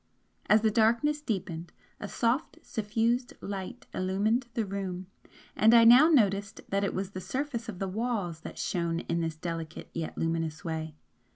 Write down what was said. As the darkness deepened, a soft suffused light illumined the room and I now noticed that it was the surface of the walls that shone in this delicate yet luminous way.